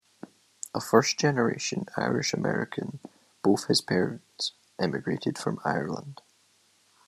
A first-generation Irish-American, both his parents emigrated from Ireland.